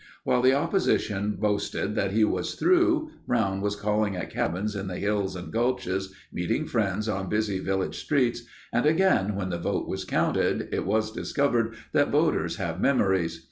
While the opposition boasted that he was through, Brown was calling at cabins in the hills and gulches, meeting friends on busy village streets and again when the vote was counted, it was discovered that voters have memories.